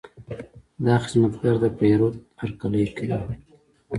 دا خدمتګر د پیرود هرکلی کوي.